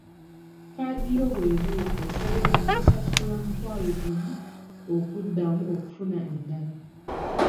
Kkaadi yo bw'ekubulako osasula omutwalo gumu okuddamu okufuna endala.